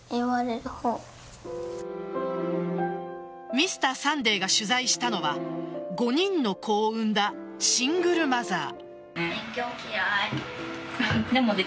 「Ｍｒ．サンデー」が取材したのは５人の子を産んだシングルマザー。